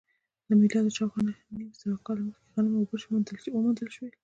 له میلاده شاوخوا نهه نیم سوه کاله مخکې غنم او اوربشې وموندل شول